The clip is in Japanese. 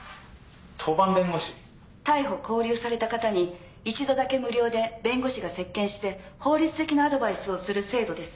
逮捕拘留された方に一度だけ無料で弁護士が接見して法律的なアドバイスをする制度です。